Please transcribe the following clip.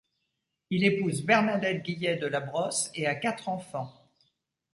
Il épouse Bernadette Guillet de La Brosse et a quatre enfants.